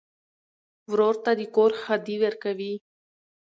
ورور ته د کور ښادي ورکوې.